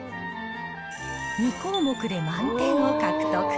２項目で満点を獲得。